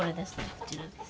こちらです。